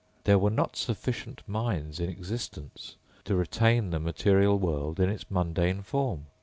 There were not sufficient minds in existence to retain the material world in its mundane form.